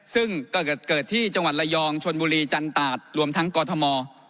ซึ่งเกิดที่จังหวัดระยองชนบุรีจันตาดรวมทั้งกอทม